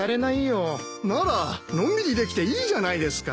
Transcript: ならのんびりできていいじゃないですか。